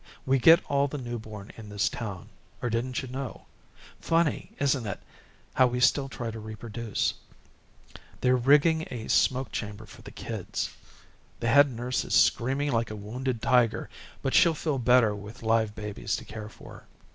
We get all the newborn in this town, or didn't you know. Funny, isn't it, how we still try to reproduce. They're rigging a smoke chamber for the kids. The head nurse is screaming like a wounded tiger, but she'll feel better with live babies to care for.